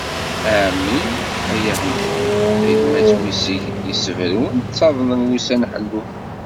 Ɛemmi ay hemhum, tagmat wi seg-s yessebrun, ttaḍnen wussan ḥellun.